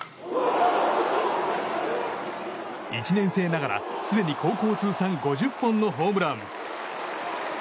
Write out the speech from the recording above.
１年生ながら、すでに高校通算５０本のホームラン。